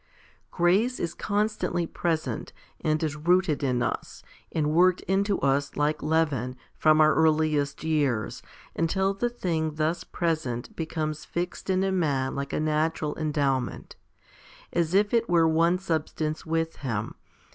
Grace is constantly present, and is rooted in us, and worked into us like leaven, from our earliest years, until the thing thus present becomes fixed in a man like a natural endowment, as if it were one substance with him.